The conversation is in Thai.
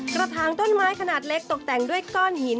กระถางต้นไม้ขนาดเล็กตกแต่งด้วยก้อนหิน